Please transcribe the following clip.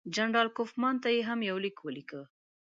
جنرال کوفمان ته یې هم یو لیک ولیکه.